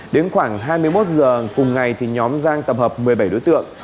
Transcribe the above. đến khoảng hai mươi một h cùng ngày nhóm giang tập hợp một mươi bảy đối tượng